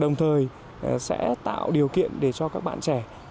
đồng thời sẽ tạo điều kiện để cho các bạn trẻ